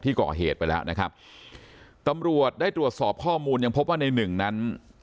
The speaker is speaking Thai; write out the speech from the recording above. ก่อเหตุไปแล้วนะครับตำรวจได้ตรวจสอบข้อมูลยังพบว่าในหนึ่งนั้น